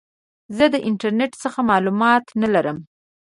زه د انټرنیټ څخه معلومات نه لرم.